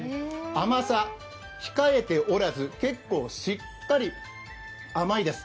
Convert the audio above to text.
甘さ控えておらず、結構、しっかり甘いです。